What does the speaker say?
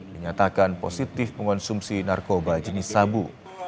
menyatakan positif mengkonsumsi narkoba jenis sabu